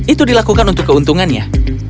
itu dilakukan untuk keuntungannya